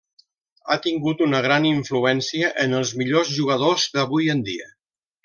Ha tingut una gran influència en els millors jugadors d'avui en dia.